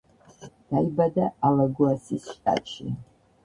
დაიბადა ალაგოასის შტატში.